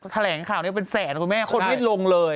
แถลงข่าวนี้เป็นแสนคุณแม่คนไม่ลงเลย